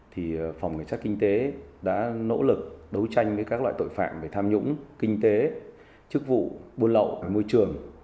thì phòng cảnh sát kinh tế đã nỗ lực đấu tranh với các loại tội phạm về tham nhũng kinh tế chức vụ buôn lậu môi trường